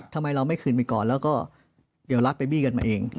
ทำไมเราไม่คืนไปก่อนแล้วก็เดี๋ยวรัฐไปบี้กันมาเอง